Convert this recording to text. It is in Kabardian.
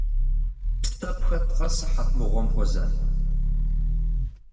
Псэ пхэткъэ, сыхьэт мыгъуэм хуэзэн?